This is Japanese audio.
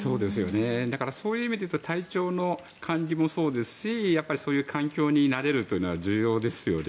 だからそういう意味で言うと体調の管理もそうですしそういう環境に慣れるというのは重要ですよね。